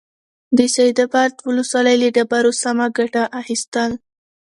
د سيدآباد ولسوالۍ له ډبرو سمه گټه اخيستل: